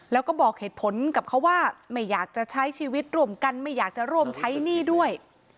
แล้วก็บอกเหตุผลกับเขาว่าไม่อยากจะใช้ชีวิตร่วมกันไม่อยากจะร่วมใช้หนี้ด้วย